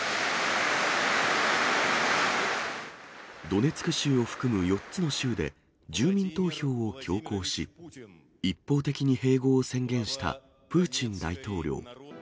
ドネツク州を含む４つの州で、住民投票を強行し、一方的に併合を宣言したプーチン大統領。